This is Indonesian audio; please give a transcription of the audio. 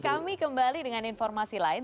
kami kembali dengan informasi lain